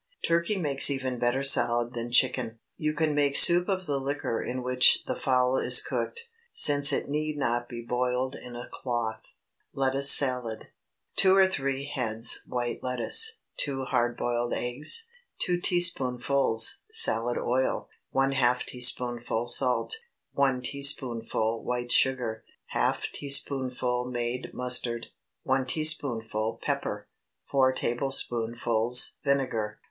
Turkey makes even better salad than chicken. You can make soup of the liquor in which the fowl is cooked, since it need not be boiled in a cloth. LETTUCE SALAD. ✠ Two or three heads white lettuce. 2 hard boiled eggs. 2 teaspoonfuls salad oil. ½ teaspoonful salt. 1 teaspoonful white sugar. ½ teaspoonful made mustard. 1 teaspoonful pepper. 4 tablespoonfuls vinegar.